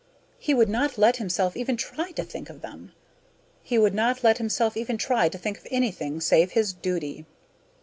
He would not let himself even try to think of them. He would not let himself even try to think of anything save his duty.